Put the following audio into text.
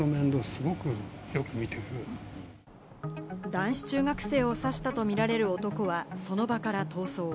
男子中学生を刺したとみられる男は、その場から逃走。